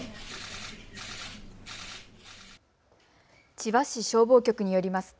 千葉市消防局によりますと